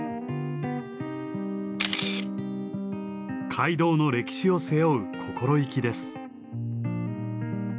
街道の歴史を背負う心意気です。